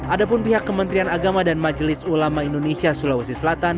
ada pun pihak kementerian agama dan majelis ulama indonesia sulawesi selatan